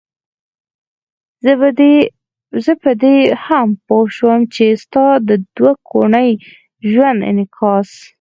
زه په دې هم پوه شوم چې ستا د دوه ګوني ژوند انعکاس.